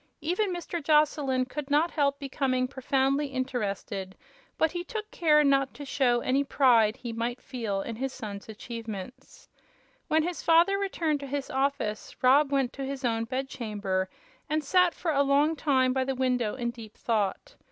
Even Mr. Joslyn could not help becoming profoundly interested, but he took care not to show any pride he might feel in his son's achievements. When his father returned to his office Rob went to his own bed chamber and sat for a long time by the window in deep thought.